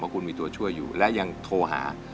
คุณมีตัวช่วยอยู่และยังโทรหา